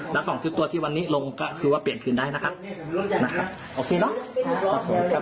และสองชุดตัวที่วันนี้ลงก็คือว่าเปลี่ยนคืนได้นะครับโอเคเนอะนะครับ